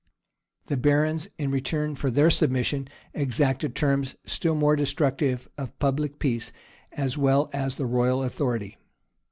[*] The barons, in return for their submission, exacted terms still more destructive of public peace, as well as of royal authority.